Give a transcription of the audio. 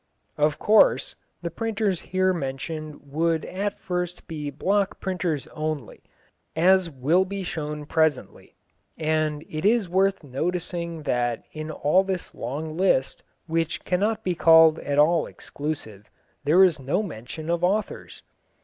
Of course, the printers here mentioned would at first be block printers only, as will be shown presently. And it is worth noticing that in all this long list, which cannot be called at all exclusive, there is no mention of authors.